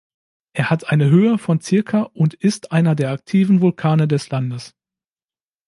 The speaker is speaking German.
Er hat eine Höhe von zirka und ist einer der aktiven Vulkane des Landes.